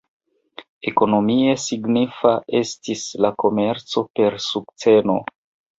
Ekonomie signifa estis la komerco per sukceno.